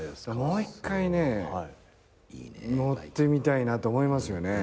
もう一回ね乗ってみたいなと思いますよね。